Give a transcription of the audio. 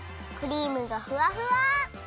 クリームがふわふわ！